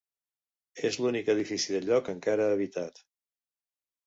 És l'únic edifici del lloc encara habitat.